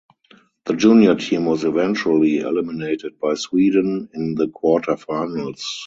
The junior team was eventually eliminated by Sweden in the quarter finals.